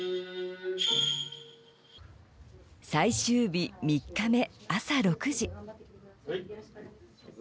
最終日３日目朝６時。